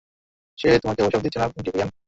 সে তোমাকে অভিশাপ দিচ্ছে না, ভিভিয়ান।